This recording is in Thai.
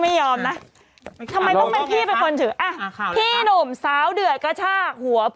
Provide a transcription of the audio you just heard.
พี่มีเอากระดาษมาเลยอย่างเงี้ยเอากระดาษมาดูสิครับ